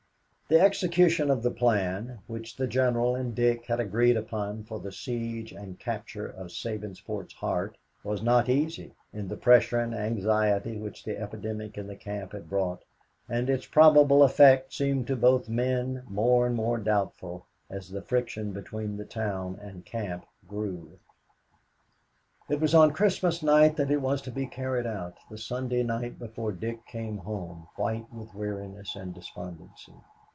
The execution of the plan, which the General and Dick had agreed upon for the siege and capture of Sabinsport's heart, was not easy, in the pressure and anxiety which the epidemic in the camp had brought, and its probable effect seemed to both men more and more doubtful as the friction between the town and camp grew. It was on Christmas night that it was to be carried out. The Sunday night before Dick came home, white with weariness and despondency.